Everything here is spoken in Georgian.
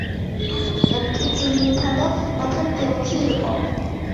ტანსაცმელი კი ძირითადად ნათელ ფერებში იყო.